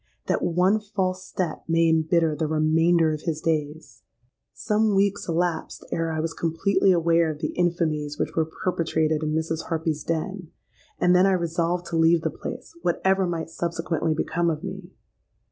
That one false step may embitter the remainder of his days! "Some weeks elapsed ere I was completely aware of the infamies which were perpetrated in Mrs. Harpy's den; and then I resolved to leave the place, whatever might subsequently become of me.